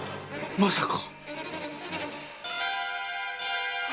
まさか！